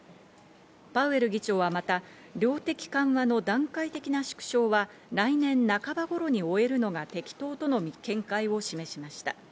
パウエル議長はまた量的緩和の段階的な縮小は、来年半ば頃に終えるのが適当との見解を示しました。